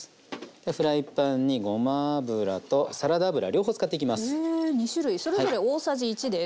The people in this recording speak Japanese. フライパンにごま油とサラダ油両方使っていきます。